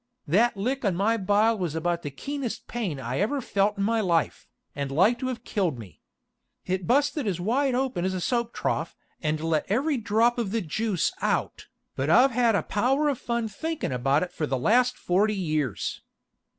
That lick on my bile was about the keenest pain I ever felt in my life, and like to have killed me. It busted as wide open as a soap trof, and let every drop of the juice out, but I've had a power of fun thinkin' about it for the last forty years.